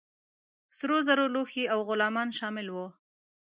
د سرو زرو لوښي او غلامان شامل وه.